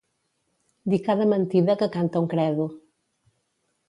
Dir cada mentida que canta un credo.